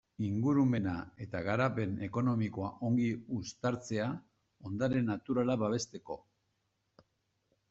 Ingurumena eta garapen ekonomikoa ongi uztatzea, ondare naturala babesteko.